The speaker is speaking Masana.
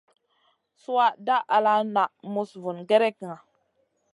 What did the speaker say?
Sùha dah ala na muss vun gerekna.